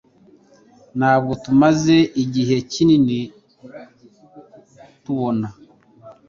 Ntabwo tumaze igihe kinini tubona